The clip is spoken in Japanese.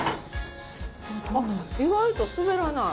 意外と滑らない。